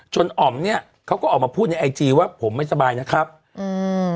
อ๋อมเนี้ยเขาก็ออกมาพูดในไอจีว่าผมไม่สบายนะครับอืม